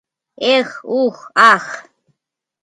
ЭХ, УХ, АХ!..